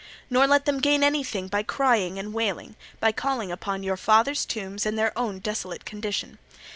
Nor let them gain anything by crying and wailing, by calling upon your fathers' tombs and their own desolate condition.